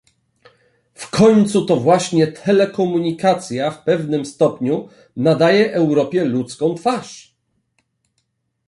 W końcu to właśnie telekomunikacja w pewnym stopniu nadaje Europie ludzką twarz